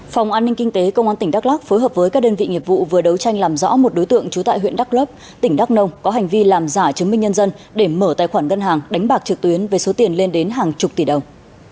phòng an ninh kinh tế công an tỉnh đắk lắc phối hợp với các đơn vị nghiệp vụ vừa đấu tranh làm rõ một đối tượng trú tại huyện đắk lấp tỉnh đắk nông có hành vi làm giả chứng minh nhân dân để mở tài khoản ngân hàng đánh bạc trực tuyến với số tiền lên đến hàng chục tỷ đồng